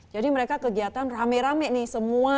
jadi mereka kegiatan rame rame nih semua